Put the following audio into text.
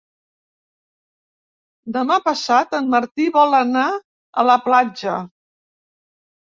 Demà passat en Martí vol anar a la platja.